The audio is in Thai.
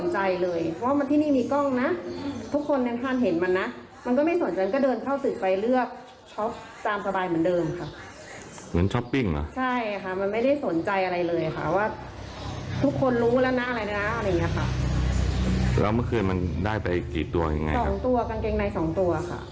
เจินตอนตี๓๑๕มันกลับมาอีกแล้วค่ะ